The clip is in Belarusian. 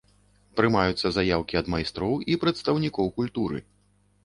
Прымаюцца заяўкі ад майстроў і прадстаўнікоў культуры.